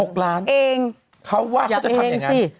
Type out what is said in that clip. เขาว่าเขาจะทำอย่างนั้นอยากเองสิ